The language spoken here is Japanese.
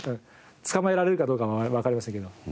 捕まえられるかどうかはわかりませんけど。